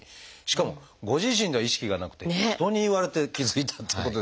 しかもご自身では意識がなくて人に言われて気付いたってことですけど。